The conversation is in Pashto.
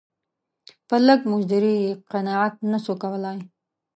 په لږ مزدوري یې قناعت نه سو کولای.